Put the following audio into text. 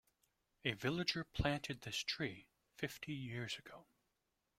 A villager planted this tree fifty years ago.